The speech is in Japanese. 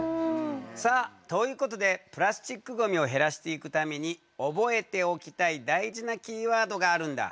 さあということでプラスチックごみを減らしていくために覚えておきたい大事なキーワードがあるんだ。